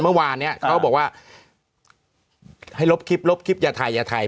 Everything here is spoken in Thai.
เมื่อวานเนี่ยเขาบอกว่าให้ลบคลิปลบคลิปอย่าถ่ายอย่าถ่าย